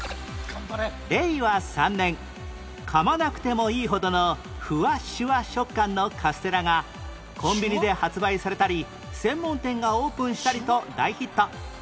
令和３年かまなくてもいいほどのふわしゅわ食感のカステラがコンビニで発売されたり専門店がオープンしたりと大ヒット